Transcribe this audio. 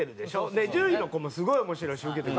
で１０位の子もすごい面白いしウケてる。